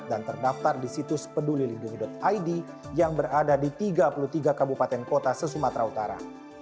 dan terdaftar di situs peduliling id yang berada di tiga puluh tiga kabupaten kota sesumatera utara